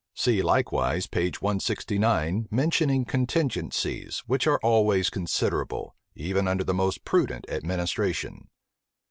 See likewise p. 169. mentioning contingencies, which are always considerable, even under the most prudent administration.